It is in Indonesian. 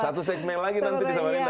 satu segmen lagi nanti di samarinda ya